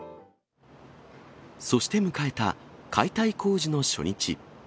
そして迎えた解体工事の初日。